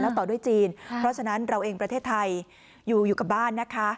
แล้วต่อด้วยจีนเพราะฉะนั้นเราเองประเทศไทยอยู่อยู่กับบ้านนะคะ